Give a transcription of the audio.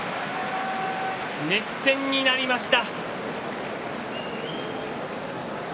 熱戦になりました。